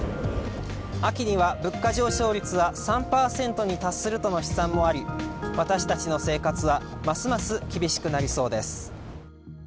秋には物価上昇率は３％に達するとの試算もあり私たちの生活はますます厳しくなりそうです。